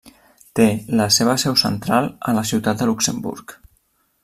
Té la seva seu central a la ciutat de Luxemburg.